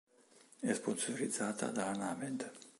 È sponsorizzata dalla Named.